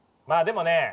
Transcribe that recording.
まあでもね